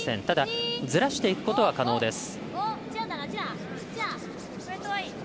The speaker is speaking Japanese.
ただ、ずらしていくことは可能です。